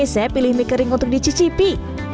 saya pilih mie kering untuk dicicipi